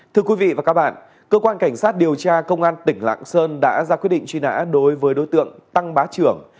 thưa quý vị và các bạn cơ quan cảnh sát điều tra công an tỉnh lạng sơn đã ra quyết định truy nã đối với đối tượng tăng bá trưởng